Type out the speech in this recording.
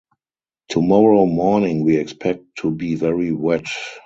Tomorrow morning we expect to be very wet.